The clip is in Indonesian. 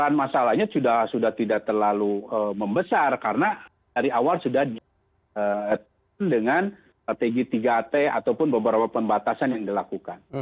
dan masalahnya sudah tidak terlalu membesar karena dari awal sudah dengan strategi tiga t ataupun beberapa pembatasan yang dilakukan